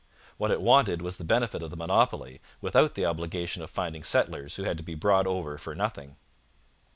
What it wanted was the benefit of the monopoly, without the obligation of finding settlers who had to be brought over for nothing.